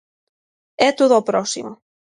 É todo o próximo.